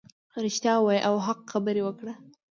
رښتیا ووایه او حق خبرې وکړه .